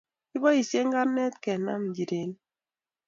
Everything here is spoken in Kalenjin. kiboisien karne kenam nchirenik.